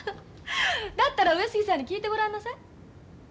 だったら上杉さんに聞いてごらんなさい。